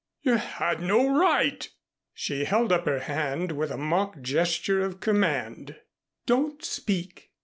"You had no right " She held up her hand with a mock gesture of command. "Don't speak!